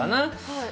はい。